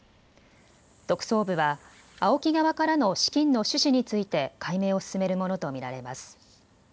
特捜部はＡＯＫＩ側からの資金の趣旨について解明を進めるものと見られます。